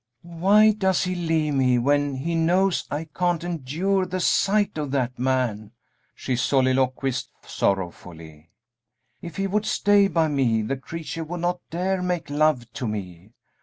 "Why does he leave me when he knows I can't endure the sight of that man?" she soliloquized, sorrowfully. "If he would stay by me the creature would not dare make love to me.